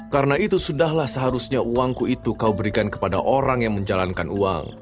karena itu sudahlah seharusnya uangku itu kau berikan kepada orang yang menjalankan uang